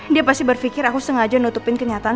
dia pasti berpikir aku sengaja nutupin kenyataan